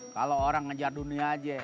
kalau orang ngejar dunia aja